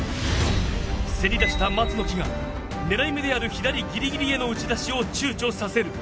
せり出した松の木が狙い目である左ぎりぎりへの打ち出しを躊躇させる。